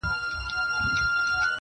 • هم د سپيو هم سړيو غالمغال دئ -